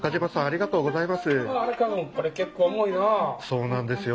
そうなんですよ。